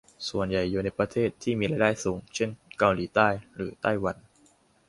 ส่วนใหญ่อยู่ในประเทศที่มีรายได้สูงเช่น เกาหลีใต้ หรือ ไต้หวัน